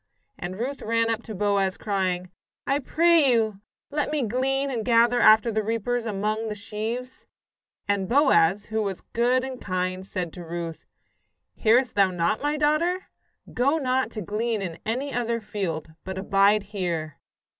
And Ruth ran up to Boaz, crying: "I pray you, let me glean and gather after the reapers among the sheaves." And Boaz, who was good and kind, said to Ruth: "Hearest thou not, my daughter? Go not to glean in any other field, but abide here."